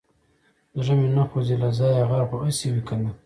زړه مې نه خوځي له ځايه غر خو هسي وي که نه.